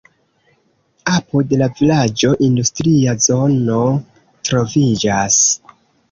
Apud la vilaĝo industria zono troviĝas.